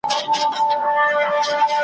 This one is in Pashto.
او دا غزل مي ولیکل .